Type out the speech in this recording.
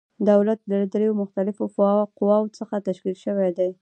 دولت له دریو مختلفو قواوو څخه تشکیل شوی دی.